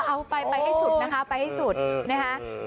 เอาไปไปให้สุดนะคะ